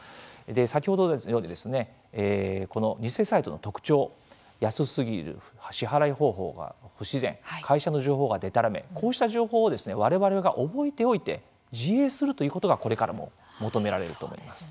先ほどのようにこの偽サイトの特徴安すぎる、支払い方法が不自然会社の情報が、でたらめこうした情報をわれわれが覚えておいて自衛するということがこれからも求められると思います。